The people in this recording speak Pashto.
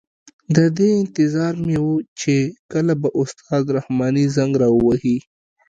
د دې انتظار مې وه چې کله به استاد رحماني زنګ را وهي.